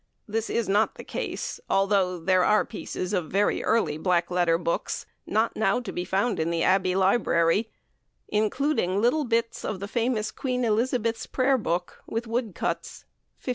This is not the case, although there are pieces of very early black letter books not now to be found in the Abbey library, including little bits of the famous Queen Elizabeth's Prayer book, with woodcuts, 1568.